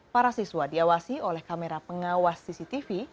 para siswa diawasi oleh kamera pengawas cctv